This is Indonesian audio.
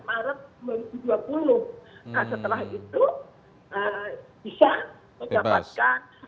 sampai dekat dua ribu tujuh belas ini sudah enam tahun lagi kita bahas dengan remisi yang didapatkan oleh yang bersyakutan